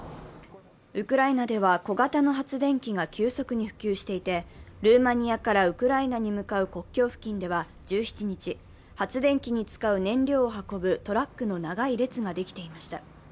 ウクライナでは小型の発電機が急速に普及していて、ルーマニアからウクライナに向かう国境付近では１７日発電機に使う燃料を運ぶトラックの長い列ができていました。